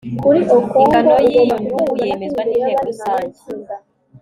ingano y'iyo nyungu yemezwa n'inteko rusange